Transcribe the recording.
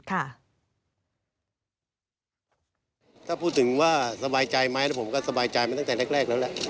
ถ้าพูดถึงว่าสบายใจไหมแล้วผมก็สบายใจมาตั้งแต่แรกแล้วแหละ